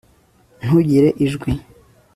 ntugire ijwi